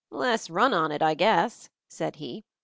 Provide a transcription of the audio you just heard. "Less run on it, I guess," said he.